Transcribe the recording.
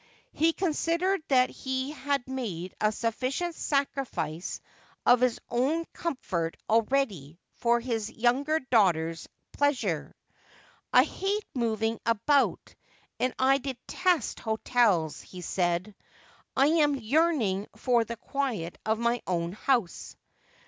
He con sidered that he had made a sufficient sacrifice of his own comfort already for his younger daughter's pleasure. ' I hate moving about, and I detest hotels,' he said ;' I am yearning for the quiet of my own house.'